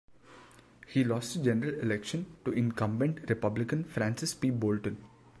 He lost the general election to incumbent Republican Frances P. Bolton.